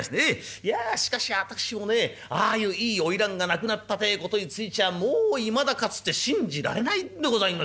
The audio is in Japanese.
いやしかし私もねああいういい花魁が亡くなったてえ事についちゃもういまだかつて信じられないんでございますよ。